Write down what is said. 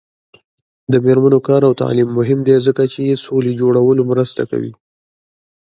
د میرمنو کار او تعلیم مهم دی ځکه چې سولې جوړولو مرسته کوي.